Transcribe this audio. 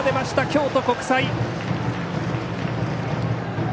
京都国際。